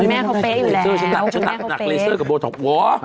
แม่เขาเล็กอยู่แล้ว